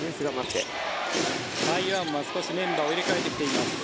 台湾は少しメンバーを入れ替えてきています。